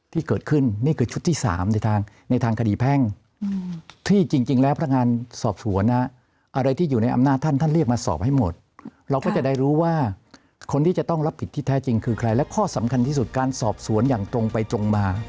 ที่เกิดขึ้นนี่คือชุดที่๓ในทาง